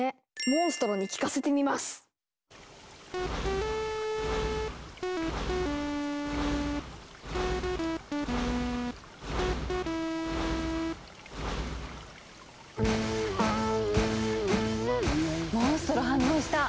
モンストロ反応した！